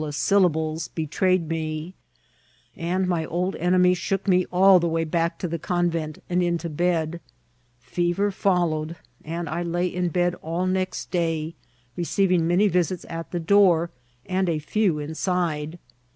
ons syllablesi betrayed me ; and my old enemy shook me all the way back to the convent, and into bed. Fe Ter followed, and I lay in bed all next day, receiving many visits at the door, and a few inside.